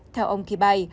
theo ông kibai